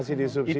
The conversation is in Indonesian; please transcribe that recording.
masih di subsidi